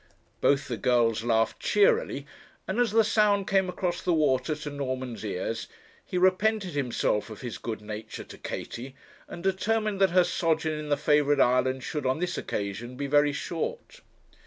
Both the girls laughed cheerily; and as the sound came across the water to Norman's ears, he repented himself of his good nature to Katie, and determined that her sojourn in the favourite island should, on this occasion, be very short.